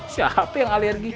siapa yang alergi